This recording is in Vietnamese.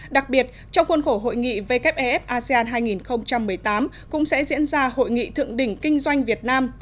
đặc biệt trong khuôn khổ hội nghị wef asean hai nghìn một mươi tám cũng sẽ diễn ra hội nghị thượng đỉnh kinh doanh việt nam